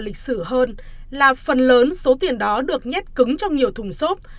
lịch sử hơn là phần lớn số tiền đó được nhét cứng trong nhiều thùng xốp